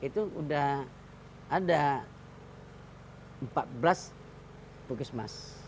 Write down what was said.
sudah ada empat belas bukismas